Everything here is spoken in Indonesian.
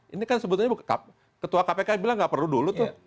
ini kan sebetulnya ketua kpk bilang nggak perlu dulu tuh